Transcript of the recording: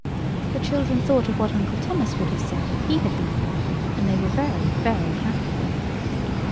The children thought of what Uncle Thomas would have said if he had been there, and they were very, very happy.